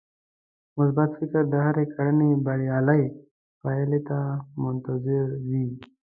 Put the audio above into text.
مثبت فکر د هرې کړنې بريالۍ پايلې ته منتظر وي.